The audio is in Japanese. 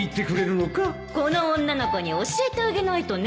この女の子に教えてあげないとね